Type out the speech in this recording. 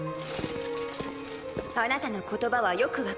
あなたの言葉はよくわかります。